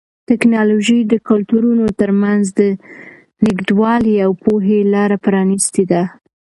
ټیکنالوژي د کلتورونو ترمنځ د نږدېوالي او پوهې لاره پرانیستې ده.